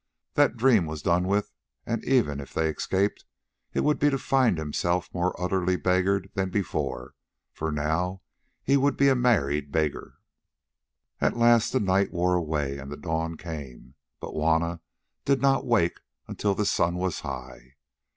That dream was done with, and even if they escaped, it would be to find himself more utterly beggared than before, for now he would be a married beggar. At last the night wore away and the dawn came, but Juanna did not wake until the sun was high.